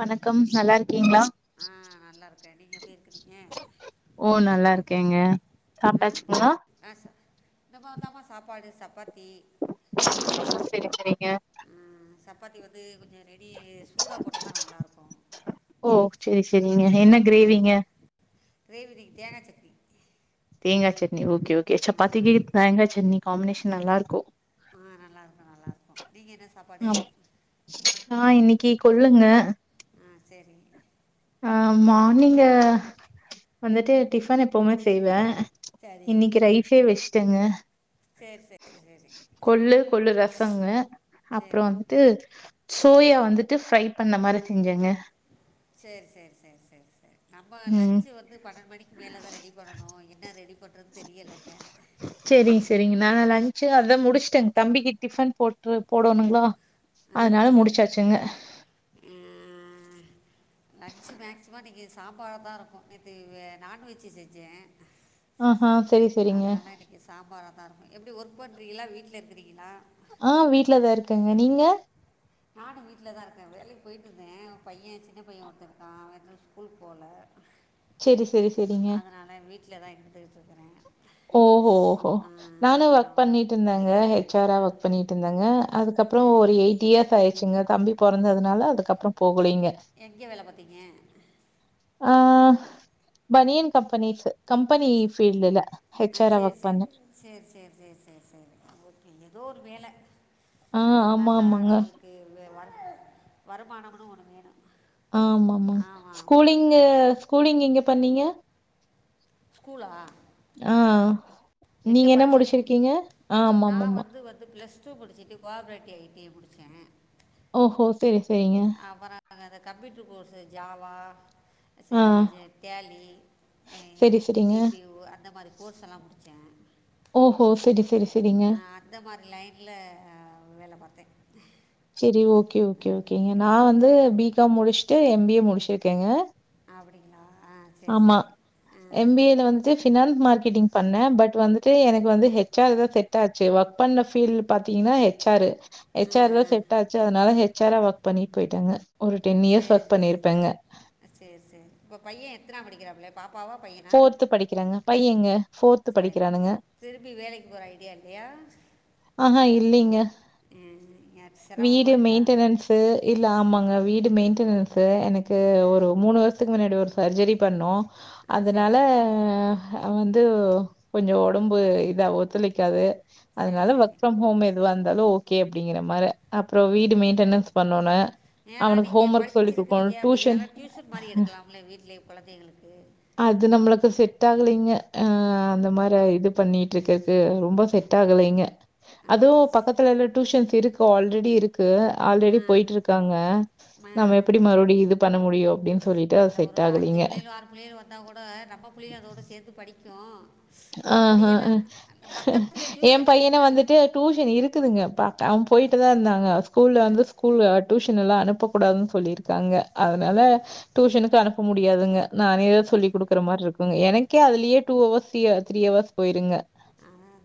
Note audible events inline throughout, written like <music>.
வணக்கம் நல்லா இருக்கீங்களா? ஆ நல்லருக்கே நீங்க எப்டி இருக்கிறீங்க ஓ நல்லா இருக்கேங்க ம் புரி சாப்ட்டாச்சுங்களா ஆ சா இந்த மாதாம்மா சாப்பாடு சப்பாத்தி செரி செரிங்க ம் சப்பாத்தி வந்து கொஞ்சம் ரெடி சூடா போட்டால் தா நல்லாயிருக்கு ஓ செரி சேரிங்க என்ன ஆ, கிரேவிங்க கிரேவி இன்னிக்கி தேங்கா சட்னி தேங்கா சட்னி ஓகே ஓகே ஆ சாபாத்தீக்கே தேங்கா சட்னி காம்பினேஷன் நல்லா இருக்கோ ஆ நல்லாயிருக்கோ நல்லாயிருக்கோ நீங்க என்ன சாப்பாடு நா இன்னிக்கு கொல்லுங்க ஆ சேரிங்க ஆ மார்னிங்கே வந்துட்டு டிஃபன் எப்பவுமே செய்வே சரி இன்னிக்கு ரைசே வச்சுட்டங்க சரி சரி சரி கொள்ளு கொல்லு ரசங்க சரி அப்றோம் ட்டு சோயா வந்துட்டு ஃப்ரை பண்ண மாரி செஞ்சங்க சேர் சேர் சேர் சேர் நம்மோ ம் லஞ்சு வந் து பன்னெண் மணிக் மேல தா ரெடி பண்ணனு என்ன ரெடி பண்றது தெரியல செரிங்க செரிங்க நா லஞ்ச்சு அதா முடிச்சுட்டேங் தம்பிக்கு டிஃபன் போட்டு போடனுங்ளா ஆ செரி ஆஆ <inaudible> லன்சு மேக்சிமோ இன்னிக்கி சாம்பார தா இருக்கு நேத்து நான்வெஜ்ஜு செஞ்சே ஆஹா செரி செரிங்க. கி சாம்பாறா தா இருக்கும் எப்டி ஒர்க் பண்றீகளா வீட்டுல இருக்கிறீகளா ஆ வீட்லதா இருக்கங்க நீங்க நானு வீட்டுல தா இருக்கே வேலைக்கி போயிட்டுருந்தே ஒரு பைய சின்ன பைய ஒருத்தருக்கா அவரிக்னால கூட்டு போலஅதனால செரி செரி செரிங்க வீட்டுல தா இருந்துக்கிட்ருக்கறே ஓஹோ ஓஹோ நானு ஆ ஒர்க் பண்ணிட்டு இருந்தேங்க ஹெச்ஆரா ஆ ஒர்க் பண்ணிட்டு இருந்தேங்க. அதுக்கப்புறோ சரி ஒரு எய்ட் இயர்ஸ் ஆயிச்சுங்க தம்பி பொறந்ததுனால அதுக்கப்புறோ போகலிங்க எங்கே வேல பாத்திங்க ஆ பனியன் கம்பெனிஸு கம்பெனி ஃபீல்டுல எச் ஆர்ஆ ஒர்க் பண்ணே சேர் சேர் சேர் சேர் சேர் ஓகே ஏதோ ஒரு வேல ஆ ஆமா ஆமாங்க சேரி வே ஒர்க் வருமானமுனு ஒன்னு வேணு ஆம ஆமா ஸ்கூலிங்கு ஸ்கூலிங் எங்க பண்ணீங்க ஸ்கூலா ஆ எங்க நீங்க என்ன படிச்சிங்க முடிச்சிருக்கீங்க ஆமா நா ஆமா ஆமா வந்து வந்து பிளஸ் சு பிடிச்சிட்டு கோஆப்ரேட்டிவ் அய்டி முடிச்சே ஓஹோ செரி செரிங்க அப்புறோ அந்த கம்ப்யூட்ரு கோஸு ஜாவா ஆ சேர் சே டேலி இந்த சரி, சரிங்க. டிடிபி அந்த மாரி கோர்ஸ்செல்லா முடுச் <unintelligible> ஓஹோ செரி செரி செரிங்க அந்த மார் லைன்ல்ல வேல பாத்தே செரி ஓகே ஓகே ஓகேங்க நா வந்து பி காம் முடுச்சுட்டு எம் பி ஏ முடிச்சிருக்கேங்க அப்டிங்ளா ஆ சரி ஆமா சரி ஆ எம் பி ஏல வந்து ஃபினான்ஸ் மார்க்கெட்டிங் பண்ணே பட் வந்துட்டு எனக்கு வந்து ஹெ ஆர் தா செட் ஆச்சு ஒர்க் பண்ண ஃபீல் பாத்தீங்கன்னா ஹச் ஹச் ஆரு ஆ ஹச் ஆர் த ஆ, செட் ஆச்சு அதனால ஹச் ஆர் ஒர்க் பண்ணிட் போயிட்டெங்க ஒரு டென் இயர்ஸ் ஒர்க் சரி பண்ணிருப்பேங்க சரி சரி இப்போ பையே எத்தனாப் படிக்கிறாப்ல பாப்பாவா பைய ஃபோர்த்து படிக்கிறாங்க பையங்க ஃபோர்து சரி படிக்கிறானுங்க திருப்பி வேலைக்கு போற ஐடியா இல்லையா ஆஹா இல்லிங்க ம் ம் யா சிரமமா இருக்கா மெயின்டனன்ஸு இல்ல ஆமாங்க வீடு மைன்டனன்ஸு எனக்கு ம் ஒரு மூனு வருஷத்துக்கு முன்னாடி ஒரு சர்ஜரி பண்ணோ அது சரி அதனால சரி வந்து கொஞ்சொ ஒடம்பு இதா ஒத்துழைக்காது சரி அதனால சரி வொர்க் ஃப்ரம் ஹோம் எதுவாந்தாலு ஓகே அப்படிங்கற மார அப்புறொ வீடு மெயின்டனன்ஸ் பண்ணோனு ஏனா அவனுக்கு நீங்க ஹோம் ஒர்க் சொல்லிக் படிச்சிருக்குறீங்க குடுக்கணும். டியூஷன் அப்படிங்கிறனால டியூஷன் மாரி எடுக்கலாம்லே வீட்டிலயே கொழந்தைகளுக்கு அது நம்மளுக்கு செட் ஆகலிங்க ஆ அப்படி அந்த மாரி இது பண்ணிட்டு இருக்கர்க்கு ரொம்ப செட் செட்டாகுலீங்க அதுவு ஆ ச- பக்கத்துலல்லா டியூஷன்ஸ் இருக்கு ஆல்ரெடி இருக்கு ஆல்ரெடி போயிட்டுருக் இருக்காங்க ஆ நம்ம ஆ எப்டி மறுபடியு இது பண்ண முடியு அப்டின்னு சொல்லிட்டு அது செட் ஆகுலீங்க புள்ளையல் வந்தா கூட நம்ப புள்ளைக அதோட சேந்து படிக்கு ஆ ஆ ஏ டியூஷன் பையன இருக்குன்னு வந்துட்டு டியூஷன் இருக்குதுங்க பா அவன் போயிட்டு தா இருந்தாங்க ஸ்கூல்ல ம் வந்து ஸ்கூல்ல டியூஷனெல்லா அனுப்பக்கூடாதுன்னு சொல்லிருக்காங்க அதனால ம் டியூஷனுக்கு அனுப்ப முடியாதுங்க நானேதா சொல்லிக் குடுக்குற மார் இருக்குங்க எனக்கே அதுலேயே two hours three three hours போயிருங்க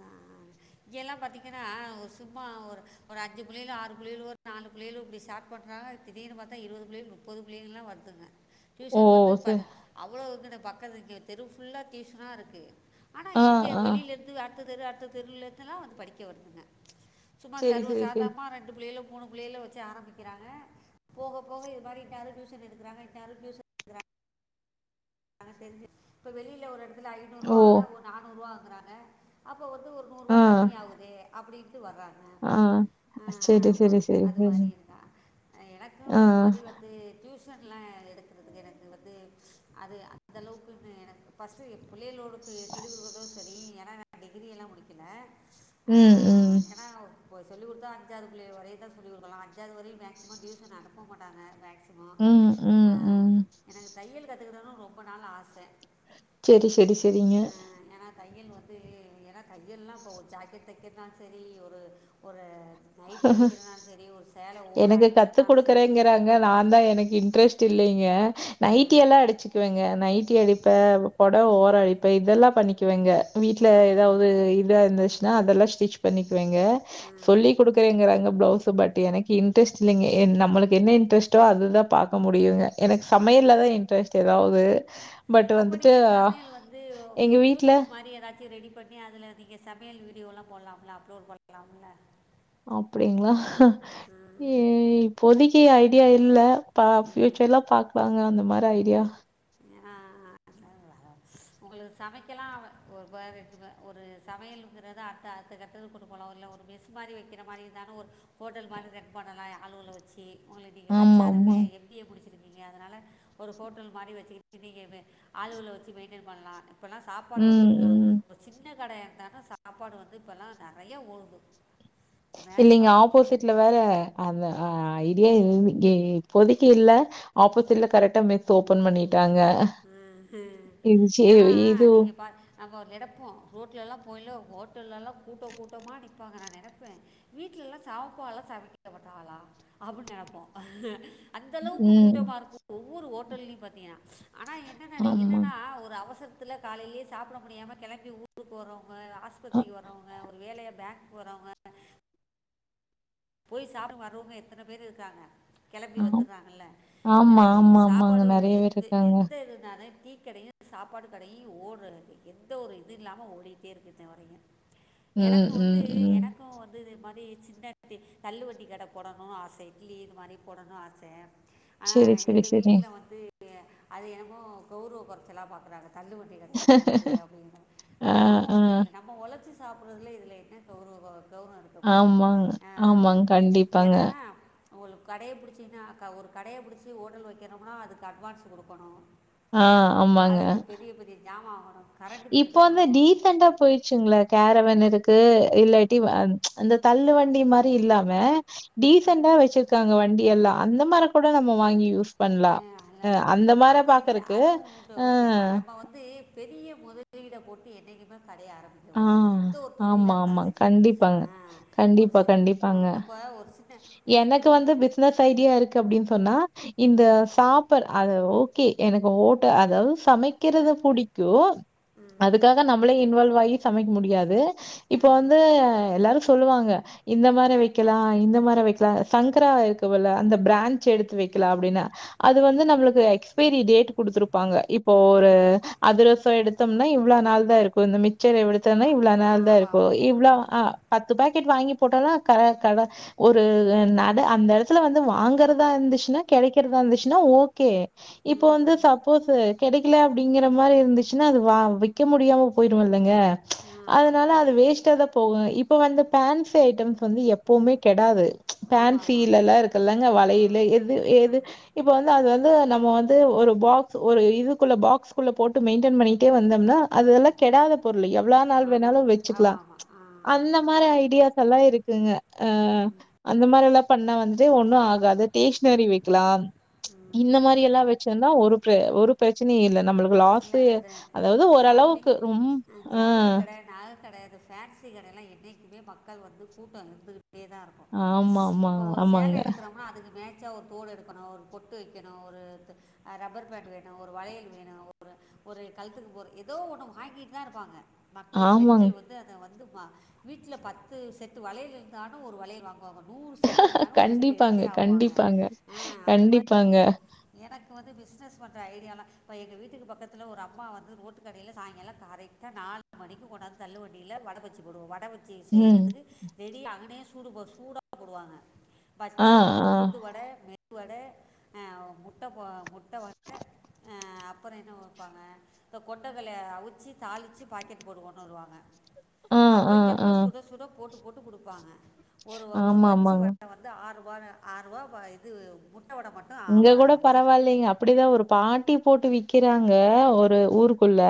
ஆ இங்கெல்லா பாத்தீங்கன்னா ஒரு சும்மா ஒரு ஒரு அஞ்சு புள்ளையளோ ஆறு புள்ளையளோ ஒரு நாலு பிள்ளைளு இப்படி ஷார்ட் பண்றாங்க திடீனுபாத்தா இருவது புள்ளை முப்பது புள்ளைலா வருதுங்க ஓ! டியூஷன் வந்து ப சரி. அவ்ளோ இங்கின பக்கத் இங்க தெரு ஃபுல்லா டியூஷனா இருக்கு ஆனா ஆ, எங்கே ஆ. வெளிலேருந்து அடுத்த தெரு அடுத்த தெருலேந்துலா வந்து படிக்க வர்துங்க சும்மா சரி, சரி, சரி. சர்வசாதமா ரெண்டு பிள்ளைளு மூணு புள்ளைள வச்ச ஆரம்பிக்கிறாங்க போக போக இது மாரி இன்னாரு டியூஷன் எடுகிறாங்க இன்னாரு டியூசன் தெரிஞ்சு இப்ப வெளில ஒரு எடத்துல ஐநூறுவா ஓ! வாங்கனா ஒரு நானூற்வா வாங்குறாங்க அப்போ வந்து ஒரு நூற்வா ஆ, கம்மியாவ்தே அப்டின்ட்டு வர்றாங்க ஆ ஆ சரி, ஆமா சரி, சரி, அது சரி. மாரி இருந்தா எனக்கும் ஆ. இது மாரி வந்து டியூஷன்லா எடுக்கறதுக்கு எனக்கு வந்து அது அந்தளவுக்கின்னு எனக்கு ஃபஸ்ட்டு பிள்ளைகளோடுக்கு சொல்லிக்குடுக்கறதோ சரி ஏனா நா டிகிரியெல்லா முடிக்கில ஆ ம், ம். ஏனா இப்போ சொல்லி குடுத்தா அஞ்சாவது புள்ளைய வரையுந் தா சொல்லி குடுக்கலா அஞ்சாவது வரையு மேக்சிமம் டியூஷன் அனுப்ப மாட்டாங்க மேக்சி மோ ம், ஆ ம், ம். எனக்கு தையல் கத்துக்கிடனு ரொம்ப நாள் ஆச செரி செரி செரிங்க ஏனா தையல் வந்து ஏனா தையல்லா இப்போ ஒரு ஜாக்கெட் தெக்கர்னாலு சரி ஒரு ஒரு நைட்டி அடிக்கிறனாலு சரி ஒரு சேல ஓரொ அடிக்கிறனாலு சரி நாந்தா எனக்கு இன்ட்ரஸ்ட் இல்லீங்க நைட்டி எல்லா அஹ் அடிச்சுக்குவங்க நைட்டி அடிப்பே பொடவ ஓரோ அடிப்பே இதெல்லா பண்ணக்குவங்க வீட்டுல ம், ஏதாவது இதா இருந்துச் நா அதெல்லா ஸ்டிச் பண்ணிக்குவேங்க ம். சொல்லி க்கறேங்கறாங்க பிளவுஸ் பட் எனக்கு இன்ட்ரஸ்ட் இல்லைங்க நம்மளுக்கு என்ன இன்ட்ரஸ்ட்டோ அதுதா பாக்க முடியுங்க எனக்கு சமையல்லதா இன்ட்ரஸ்ட் எதாவது அப்ப நீங்க சமையல் வந்து எங்க வீட்ல யூடியூப் மாரி எதாச்சு ரெடி பண் ணி அதுல நீங்க சமையல் வீடியோல்லா போட்லாமல்ல அப்லோட் பண்லாமல்ல அப்டிங்ளா ம் இப்போதைக்கு ஐடியா இல்ல ப ஃபியூச்சர்ல பாக்கலாங்க அந்த மாரி ஐடியா ஏனா அந்த <inaudible> உங்களுக்கு சமைக்கல்லா ஒரு ஒரு சமையலுங்கறத அத்த அடுத்த க ட்டத்துக்கு கொண்டுபோலா இல்ல ஒரு மெஸ் மாரி வெக்கிற மாரி இருந்தாலு ஒரு ஹோட்டல் மாரி ரன் பணலா ஆளுவள வெ வெச்சு ஒங்களுக்கு நீங்க ஆமாமா. வெச்சாருமே எம் பி ஏ முடிச்சிருக்கீங்க அதனால ஒரு ஹோட்டல் மாரி வெச்சு நீங்க ஆளுவள வெச்சு மெயின்டெய்ன் பண்லா இப்பல்லா சாப்பாடு வந்து ம், ம். இப்ப சின்ன கடையா இருந்தாலு சாப்பாடு வந்து இப்பல்லா நெறையா ஓடுது இல்லைங்க மேக்ஸிமம் வீட்டுக்கு ஆப்போசிட்ல வேற அந்த ஐடியா இ இப்போதைக்கு இல்ல ஆப்போசிட்ல கரெக்டா மெஸ் ஓப்பன் பண்ணிட்டாங்க ம் ஹ்ம் இது சி ஏனா இது நீங்க பா நம்ம ஒரு நெடப்போ ரோட்ல்லா போய்ல ஹோட்டல்லல்லா கூட்டோ கூட்டமா நிப்பாங்க நா நெனப்பே வீட்ல எல்லா சாப்பால்லா சமைக்கிற மாட்டாங்லா அப்டின்னு நெனைப்போ அந்த அளவுக்கு ம். கூட்டம இருக்கு ஒவ்வொரு ஹோட்டல்லயும் பாத்தீனா ஆனா என்னனா ஆமா. என்னனா ஒரு அவசரத்துல காலைலயே சாப்பிட முடியாம கெளம்பி ஊ ருக்கு போறவங்க அ ஆஸ்பத்திரிக்கு வர்றவங்க ஒரு வேலையா பேங்குக்கு போறவங்க போய் சாப்ட்டு வர்றவங்க எத்தன பேர் இருக்காங்க கெளம்பி ஆ வத்துர்றாங்கல்ல ஆமா, அது ஆமா, ஆமாங்க. சாப்பாடு நெறைய பேர் எந்த இருக்காங்க. எந்த இதுனாலு டீக்கடையு சாப்பாடு கடையு ஓடறது எந்த ஒரு இது இல்லாம ஓடிட்டே இருக்கு இன்னவரைக்கு ம், எனக்கு வந்து ம், ம். எனக்கு வந்து இது மாரி சின்ன தள்ளு வண்டி கடை போடணுனு ஆச இட்லி இது மாரி போடணுனு ஆச ஆனா சரி, சரி, எங்க சரி. வீட்ல வந்து அது என்னமோ கௌரவ கொறச்சலா பாக்கறாங்க தள்ளு வண்டி போடுறது அப்டின்னு ஆ, அதெல்லா ஆ. ஒண்ணு இல்ல நம்ம உழைச்சு சாப்பறதுல இதுல என்ன கௌவ கௌரவோ இருக்கு ஆமாங் ஆமாங்க கண்டிப்பாங்க அ உங்களுக்கு கடையப் புடிச்சீங்கனாக்கா ஒரு கடைய புடிச்சு ஹோட்டல் வெக்கனும்னா அதுக்கு அட்வான்ஸ் குடுக்கணு ஆ, ஆமாங்க. அதுக்கு பெரிய பெரிய ஜாமா வாங்கனு இப்போ வந்து டீசன்டா போயி ங்ளே கேரவன் இருக்கு இல்லாட்டி அந்த தள்ளு வண்டி மாரி இல்லாம டீசன்ட்டா வெச்சிருக்காங்க வண்டியெல்லா அந்த மார கூட நம்ம வாங்கி யூஸ் பண்லா இல்லை இல்லை அந்த மார அது பாக்கறக்கு அ து பெரிய முதலீட போட்டு என்னைக்குமே கடைய ஆரம்பி க்க ஆ கூடாது எந்த ஒரு தொழிலா ஆமா, இருந்தாலு ஆமா. சரி கண்டிப்பாங்க. அ ஒரு கண்டிப்பா, சின் கண்டிப்பாங்க. இப்ப ஒரு சின்ன எங்கள் எனக்கு வந்து வீட்டுக்கு பி ஸினஸ் ஐடியா இருக்கு அப்டின் சொன்னா இந்த சாப்பாடு அ ஓகே என ஓட்ட அதாவது சமைக்கறது புடிக்கு அதுக்காக நம்மளே இன்வால்வ் ஆயி சமைக்க முடியாது இப்ப வந்து எல்லாரு சொல்லுவாங்க இந்த மாரி வெக்கலா இந்த மாரி வெக்கலா சங்கரா இருக்கு போல அந்த பிரான்ச் எடுத்து வெக்கலா அப்டின்னுா அது வந்து நம்மளுக்கு எக்ஸ்பைரி டேட் குடுத்துருப்பாங்க இப்போ ஒரு அதுரசசோ எடுத்தோம்னா இவ்ளோ நாள் தா இருக்கு இந்த மிச்சர் எவ்டுத் தன இவ்ளோ நாள் தான் ஆமாம் இருக்கும் ஆமாம் இவ்ளோ ஆ பத்து பாக்கெட் வாங்கி போட்டாலு க கட ஒரு நட அந்த இடத்துல வந்து வாங்கறதா இருந்துச்சுன்னா கிடைக்கிறதா இருந்துச்சுன்னா ஓகே இப்ப வந்து சப்போஸ்ஸு கிடைக்கல அப்படிங்கிற மாரி இருந்துச்சுன்னா அது வா விக்க முடியாம போயிருமில் லங்க ம்ச் அதனால ஆமாம் ஆமாம் அத் அது வேஸ்ட்டா தா போகு இப்ப வந்த போன்சி ஐட்டம்ஸ் வந்து எப்பவுமே கெடாது ம்ச் ஆமாம் ஆமாம் ஆமாம் ஆமாம் போன்சியில எல்லா இருக்குல்லங்க வளையல்லு எது எது இப்ப வந்து அது வந்து நம்ம வந்து ஒரு பாக்ஸ் ஒரு இதுக்குள்ள பாக்ஸ்குள்ள போட்டு மெயின்டெின் பண்ணிட்டே வந்தோம்னா அத எல்லா கெடாத பொருளு எவ்ளா நாள் ஆமாம் வேணாலு ஆமாம் வெச்சுக்கலா ஆமாம் ம்ச் ஆமாம் அந்தம் மாரி ஐடியாஸ் எல்லா இருக்குங்க ஆ அந்த மாரி எல்லா பண்ண வந்துட்டு ஒண்ணு ஆகாது ஸ்டேஷ்னரி வைக்கலா ம்ச் இந்த மாரி எல்லா வச்சிருந்தா ஒரு ப்ரே ஒரு பிரச்சனே இல்ல நம்பளுக் இல்லை லாஸு அது அதாவது ஜவுளி ஓரளவுக்கு ரொம் அஹ் ஆ ஜவுளி கட நாகக்கட இது ஃபேன்சி கடைல்லா என்னைக்குமே மக்கள் வந்து கூட்டோ இருந்துகிட்டே தா இருக் கு ஆமா ஆமா இப்ப ஒரு ஆமாங்க சேல எடுக்கிறோம்னா அதுக்கு மேச்சா ஒரு தோடு எடுக் கணு ஒரு பொட்டு வைக்கணு ஒரு த்து அ ரப்பர் பேண்ட் வேணு ஒரு வளையல் வேணு ஒ ரு ஒரு கழுத்துக்கு போற ஏதோ ஒன்னு வாங்கிட்தா இருப்பாங்க மக்கள் ஆமாங் பெண்கள் வந் து அத வந்து வ வீட்ல பத்து செட்டு வளையல் இருந்தாலு ஒரு வளையல் வாங்குவாங்க நூறு செ சீல இருந்தாலு ஒரு சீல கண்டிப்பாங்க எடுத்தே ஆவாங்க கண்டிப்பாங்க அ அது மாரி கண்டிப்பாங்க எனக்கு வந்து பிசினஸ் பண்ற ஐடியாலா இப்ப எங்க வீட் ட்டுக்கு பக்கத்துல ஒரு அம்மா வந்து ரோட்டு கடைல சாயங்காலோ கரெக்டா நாலு மணிக்கு கொண்டந்து தள்ளு வண்டியில வட பஜ்ஜி ஜி போடுவோ வட வச்சி ம் செய்றதுக்கு ரெடி அங்கனே சூடு போஸ் சூடா போடுவாங்க ஆ பச்சி உளுந்து வட மெது வட ஆ முட்ட போ முட்ட வட ஆப் அப்பறோ என்ன வப்பாங்க இந்த கொண்டைக்கல்லைய அவிச்சி தாளிச்சு பாக்கெட் போட்டு கொண்டு வருவாங்க ஆ ஆ ஆ அப்பைக்கு ஆ அப்ப சுட சுட போட்டு போட்டு குடுப்பாங்க ஒரு வ ஒரு ஆமா பச்சி ஆமாங்க வட வ வந்து ஆறுபானு ஆறுவா வ இது முட்ட வட மட் இங்க கூட பரவாயில்லைங்க அப் அப்படிதா ஒரு பாட்டி போட்டு விக்கிறாங்க ஒரு ஊருக்குள்ள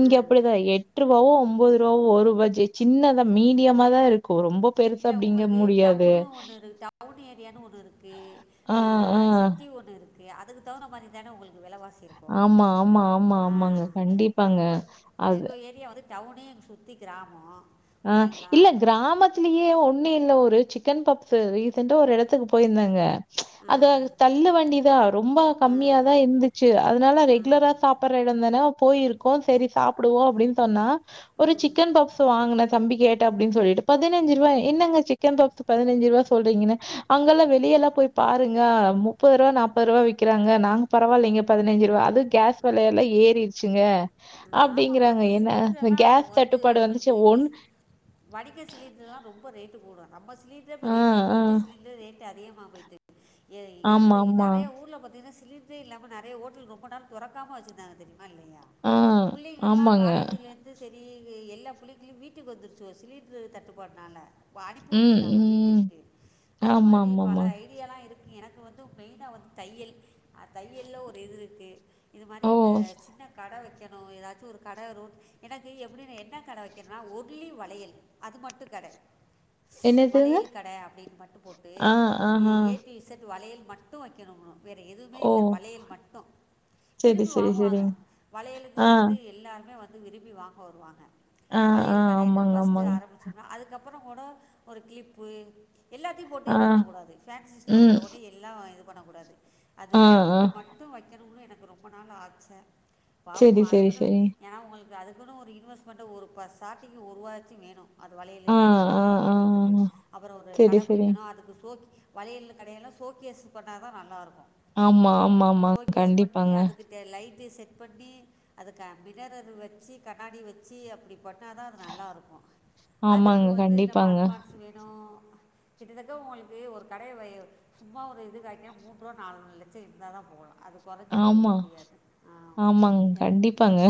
இங்க அப்படிதா எட் ட்ரூவாவோ ஒம்போது ரூவாவோ ஒரு பஜ்ஜி சின்னதா மீடியமா தா இருக்கும் ரொம்பப் இல்ல உங்களுக்கு டவுனு ஒன்னு இருக் டவுன் ஏரியான்னு ஒன்னு இருக்கு ஆ அ சிட்டி ஒன்னு இருக்கு அதுக்கு தகுந்த மாரி தானே உங்களுக்கு வெலவாசி இருக் ஆமா, ஆமா, ஆமா, <unintelligible> ஆ ஆமாங்க. அ கண்டிப்பாங்க. இப்ப அது எங்க ஏரியா வந்துட் ட்டவுனு இங் சுத்தி கிராமோ அ இல்ல கிராமத்து த்திலியே ஒன்னு இல்ல ஒரு சிக்கன் பப்ஸ்ஸு ரீசட்டா ஒரு எடத்துக்கு போயிருந்தேங்க ம்ச் அது ம் அங்க தள்ளு வண்டி தா ரொம்ப ம் கம்மியாக தா இருந்துச்சு அதனால ம் ரெகுலரா சாப்பிடடுற எடோந்தானே போயிருக் கோ செரி சாப்பிடுவோ அப்டின்னு சொன்னா ஒரு ம் சிக்கன் பப்ஸ் வாங்கினத் தம்பி கேட்டாப்படினு சொல்லிட்டு பதினஞ்சு ரூவா என்னங்க சிக்கன் பாப்ஸ் பதினஞ்சு ரூவா சொல்றீங்குன்னு அங்கெல்லா வெளிய எல்லா போய் பாருங்க முப்பது ரூபா நாப்பது ரூபா விக்கிறங்க நாங்க பரவாயில்லைங்க பதினைஞ்சு ரூபா அதுக் கேஸ் வெலய எல்லா ஏறிடுச்சுங்க ம், ஆமாம்மா அப்படிங்கறாங்க இப்போ என்ன அந்த சிலிண்டர்லாம் கேஸ் வந்து தட்டுப்பாடு வந்துச்சு உங்களுக்கு இப்படி ஒன் வடிக்க சிலிண்டர்லா ரொம்ப ரேட்டு கூடு நம்ம சிலிண்ட்ரே இப்ப ஆ ரேட்டு ஆ வீட்டு சிலிண்டரே ரேட்டு் அதிகமாக போயிட்டு எ ஆமா எந்தை ஆமா நறைய ஊர்ல பாத்தீங்கன்னா சிலிண் அது இல்லாம நெறைய ஓட்டல் ரொம்ப நேரோ தொரக்காம வெச்சிருந்தாங்க தெரியுமா இல்லையா ஆ புள்ளைங்கெல்லா ஆமாங்க காலேஜ்ல இருந் ந்து செரி எல்லா புள்ளைகளயு வீட்டுக் வந்துருச்சுகோ சிலீன்ட்ரு தட்டு பாட்னால ம் <unintelligible> ம் வீட்டுக்கு அது ஆமா மாரி பல ஆமாமா ஐ ஐடியால்லா இருக்கு எனக்கு வந்து மெயினா வந்து தையல் அ தையல்ல ஒரு இது இருக்கு இது மாரி ஓ த சின்ன கட வெக் வெக்கணு ஏதாச்சு ஒரு கட ரோட் எனக்கு எப்டினு என்ன கட வெக்கணுனா ஒன்லி வளையல் அது மட்டு கட என்னதுங்க? வளையல் கட அப்டின் மட்டு போட்டு ஆ, ஆஹா. ஏ டு இஸேட் வலையல் மட்டு வெக்கணுமா வேற எதுமே ஓ! இல்ல வளையல் மட்டு சரி, விரும்பி சரி, வாங்குவாங்க சரிங்க. வளையலுக்கு ஆ எல்லாருமே வந்து விரும்பி வாங்க வருவாங்க ஆ, ஆ. வலையல் கடேனு ஆமாங்க, ஃபர்ஸ்ட்டு ஆமாங்க. ஆரம்பிச்ச அதுக்கப்புறோ கூட ஒரு க்ளிப்பு எல்லாத்தயு போட்டு ஆ, இது பண்ணக்கூடாது ஃபேன்சி ம். ஸ்டோருக்குள்ள கூட அப்டி எல்லா இது பண்ணக்கூடாது அது ஆ, ஆ. அந்த மட்டு வைக்கணும்ன்னு எனக்கு ரொம்ப நாள் ஆச்ச ஒ சரி, சரி, அதுக்குனு சரிங்க. ஏனா உங்களுக்கு அதுக்குன்னு ஒரு இன்வெஸ்ட்மெண்ட் ஒரு ப ஸ்டாட்டிங்கு ஒருவாயாச்சு வேணு அது வளையலு ஆ, இது ஆ, சம்மதமா ஆ, வாங்குறதுக்கு ஆ. அப்பறோ ஒரு சரி, கட சரிங்க. புடிக்கணு அதுக்கு சோக் வலையல்லு கடையெல்லா சோக்கேசு போட்டா தா நல்லாருக்கு ஆமா ஆமாம்மா கண்டிப்பாங்க அதுக்கு லைட்டு செட் பண்ணி அதுக்கு ஆ மிரர் வெச்சி கண்ணாடி வெச்சி அப்டி போட் த்தா தா அது நல்லாருக்கு அதுக்கு ஆமாங்க, வந்து நம்ம கண்டிப்பாங்க. அட்வான்ஸ் வேணு கிட்டத்தட்ட உங்களுக்கு ஒரு கடைய வை சும்மா ஒரு இதுக்காக மூன்றுவா நாலு லட்சோ இருந்தாதா போலா அதுக் கொறஞ்சி போக ஆமா, முடியாது ஆமா ஆமாங்க. கண்டிப்பாங்க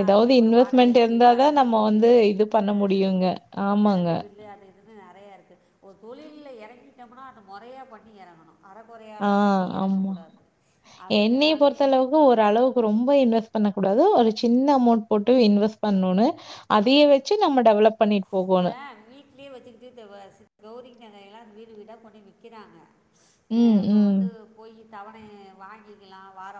ஏதாவது அதுக்கப்புறம் வாடகை இன்வெஸ்மென்ட் இருக்குது இருந்தாதா கரண்ட்டு நம்ம பில்லு வந்து இது பண்ண முடியுங்க ஆமாங்க இது அது இதுனு நெறையா இருக்கு ஒரு தொழில்ல எறங்கிட்டோம்னா அது மொறையா பண்ணி எறங்கணு ஆ, அறகொறையாலா பண்ணி ஆமா. எறங்கக்கூடாது அப்டிங்கறதுனாலயே இப்போ ஒரு அளவுக்கு ரொம்ப இன்வெஸ்ட் பண்ண கூடாது ஒரு சின்ன அமௌண்ட் போட்டு இன்வெஸ்ட் பண்ணோனு அதயே வெச்சு நம்ம டெவலப் பண்ணிட்டு போகோணு புள்ளய வெச்சுக்கிட்டு தெருவாசல் கௌரிங் நகையெல்லா வீடு வீடா கொண்டோயி விக்கிறாங்க அ ம், அப்போ ம். வந் து போயி தவண வாங்கிக்கலா வார